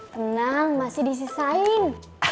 tenang masih disisain